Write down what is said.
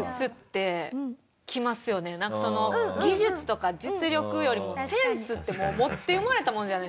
なんかその技術とか実力よりもセンスって持って生まれたものじゃないですか。